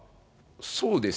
そうです。